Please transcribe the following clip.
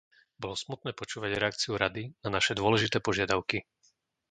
Bolo smutné počúvať reakciu Rady na naše dôležité požiadavky.